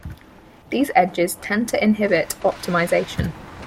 These edges tend to inhibit optimization.